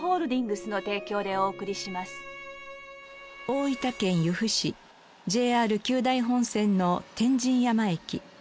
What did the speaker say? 大分県由布市ＪＲ久大本線の天神山駅。